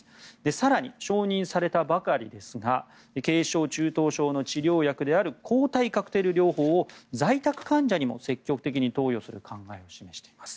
更に、承認されたばかりですが軽症・中等症の治療薬である抗体カクテル療法を在宅患者にも積極的に投与する考えを示しています。